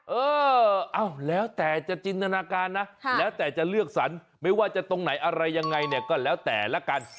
เออเอาแล้วแต่จะจินตนาการนะแล้วแต่จะเลือกสรรไม่ว่าจะตรงไหนอะไรยังไงเนี่ยก็แล้วแต่ละกัน